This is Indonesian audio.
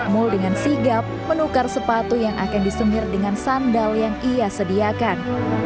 mul dengan sigap menukar sepatu yang akan disemir dengan sandal yang ia sediakan